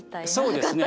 そうですね。